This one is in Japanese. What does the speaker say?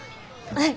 はい。